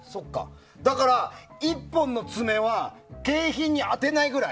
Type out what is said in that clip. だから、１本の爪は景品に当てないくらい？